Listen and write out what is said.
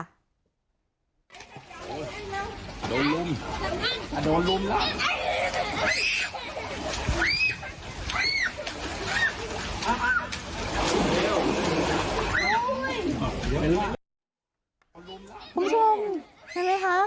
คุณผู้ชมเห็นไหมคะ